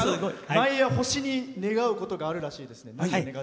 毎夜、星に願うことがあるそうですね。